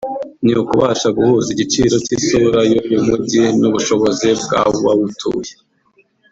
ni ukubasha guhuza igiciro cy’isura y’uyu mujyi n’ubushobozi bw’abawutuye